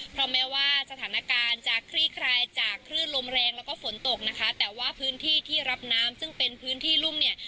เพราะแม้ว่าสถานการณ์จะคลี่คลายจากคลื่นลมแรงแล้วก็ฝนตกนะคะแต่ว่าพื้นที่ที่รับน้ำซึ่งเป็นพื้นที่รุ่มเนี่ย